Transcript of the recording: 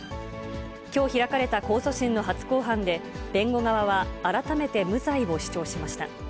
きょう開かれた控訴審の初公判で、弁護側は改めて無罪を主張しました。